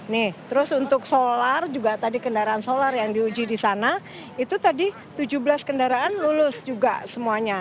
nih terus untuk solar juga tadi kendaraan solar yang diuji di sana itu tadi tujuh belas kendaraan lulus juga semuanya